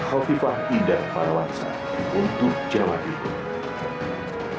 khotifah indah parwansa untuk jawa timur